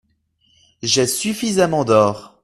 J’ai suffisamment d’or.